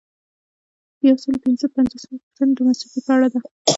یو سل او پنځه پنځوسمه پوښتنه د مصوبې په اړه ده.